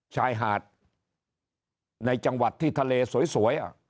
ชายหาดในจังหวัดที่ทะเลสวย